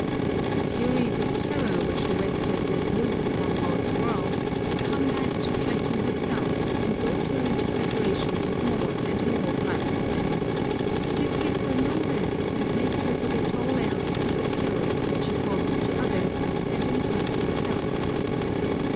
The furies of terror, which the West has let loose upon God's world, come back to threaten herself and goad her into preparations of more and more frightfulness; this gives her no rest and makes her forget all else but the perils that she causes to others, and incurs herself.